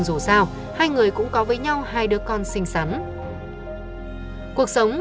đưa chồng đi trôn cất xong